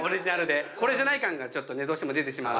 これじゃない感がどうしても出てしまう。